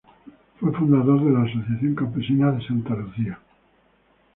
Fue fundador de la Asociación Campesina de Santa Lucía.